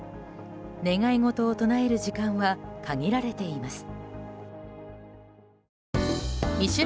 願い事を唱える時間は限られています。